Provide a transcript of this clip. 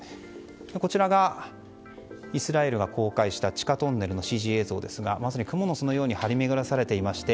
こちらが、イスラエルが公開した地下トンネルのＣＧ映像でまさに蜘蛛の巣のように張り巡らされていまして